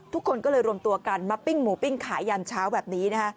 ทุกคนก็เลยรวมตัวกันมาปิ้งหมูปิ้งขายยามเช้าแบบนี้นะคะ